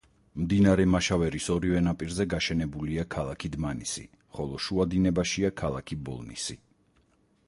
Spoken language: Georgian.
მდინარე მაშავერის ორივე ნაპირზე გაშენებულია ქალაქი დმანისი, ხოლო შუა დინებაშია ქალაქი ბოლნისი.